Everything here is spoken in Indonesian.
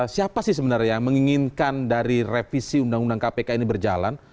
siapa sih sebenarnya yang menginginkan dari revisi undang undang kpk ini berjalan